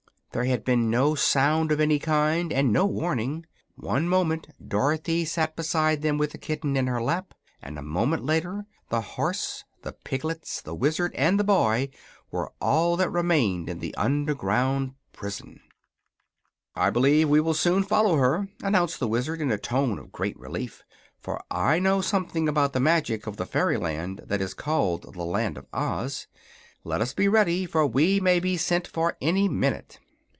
There had been no sound of any kind and no warning. One moment Dorothy sat beside them with the kitten in her lap, and a moment later the horse, the piglets, the Wizard and the boy were all that remained in the underground prison. [Illustration: DOROTHY MADE THE SIGNAL.] "I believe we will soon follow her," announced the Wizard, in a tone of great relief; "for I know something about the magic of the fairyland that is called the Land of Oz. Let us be ready, for we may be sent for any minute."